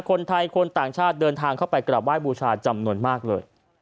คนไทยคนต่างชาติเดินทางเข้าไปกลับไห้บูชาจำนวนมากเลย